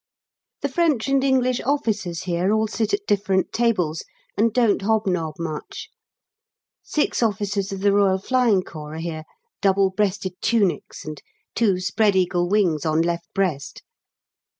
The French and English officers here all sit at different tables, and don't hobnob much. Six officers of the Royal Flying Corps are here, double breasted tunics and two spread eagle wings on left breast.